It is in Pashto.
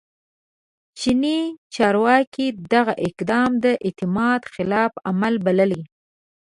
چیني چارواکي دغه اقدام د اعتماد خلاف عمل بللی